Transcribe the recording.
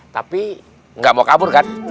tapi nggak mau kabur kan